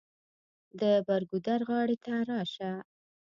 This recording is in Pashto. د بر ګودر غاړې ته راشه.